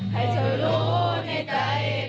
ให้เธอรู้ในใจ